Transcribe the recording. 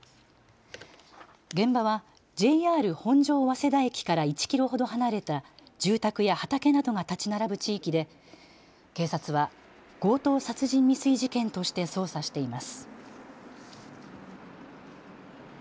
現場はＪＲ本庄早稲田駅から１キロほど離れた住宅や畑などが建ち並ぶ地域で警察は強盗殺人未遂事件として捜査しています。